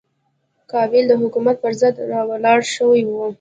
قبایل د حکومت پر ضد راولاړ شوي وو.